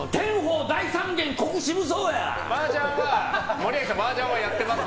森脇さんはマージャンはやってます？